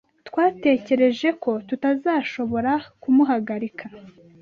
Twatekereje ko tutazashobora kumuhagarika.